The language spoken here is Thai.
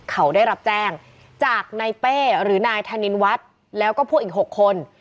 เขาได้รับแจ้งจากนายเป้หรือนายธนินวัฒน์แล้วก็พวกอีก๖คน